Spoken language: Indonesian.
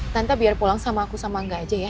tante biar pulang sama aku sama enggak aja ya